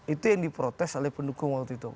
itu yang diprotes oleh pendukung waktu itu